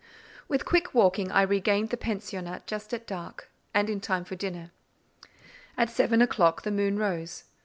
With quick walking I regained the pensionnat just at dark, and in time for dinner. At seven o'clock the moon rose.